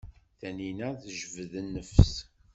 Taninna tejbed nnefs.